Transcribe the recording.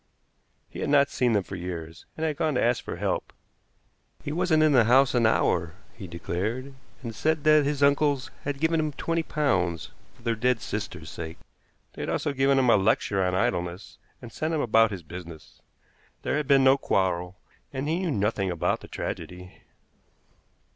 He had not seen them for years, and had gone to ask for help. He wasn't in the house an hour, he declared, and said that his uncles had given him twenty pounds, for their dead sister's sake. They had also given him a lecture on idleness, and sent him about his business. There had been no quarrel, and he knew nothing about the tragedy.